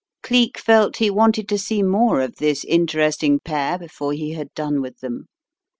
Cleek felt he wanted to see more of this interesting pair before he had done with them.